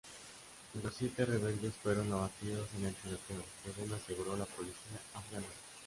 Los siete rebeldes fueron abatidos en el tiroteo, según aseguró la policía afgana.